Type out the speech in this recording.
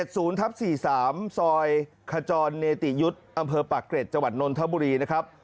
ซอยขจรเนติยุทธ์อำเภอปากเกร็ดจังหวัดนนทบุรีนะครับ